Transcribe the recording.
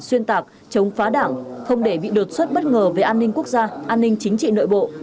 xuyên tạc chống phá đảng không để bị đột xuất bất ngờ về an ninh quốc gia an ninh chính trị nội bộ